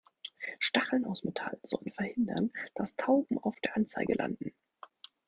Stacheln aus Metall sollen verhindern, dass Tauben auf der Anzeige landen.